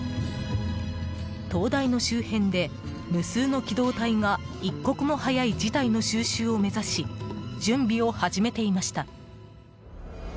東大の周辺で、無数の機動隊が一刻も早い事態の収拾を目指し準備を始めていました。